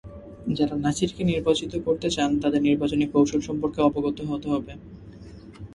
যাঁরা নাছিরকে নির্বাচিত করতে চান, তাঁদের নির্বাচনী কৌশল সম্পর্কে অবগত হতে হবে।